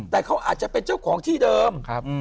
แต่เขาอาจจะเป็นเจ้าของที่เดิม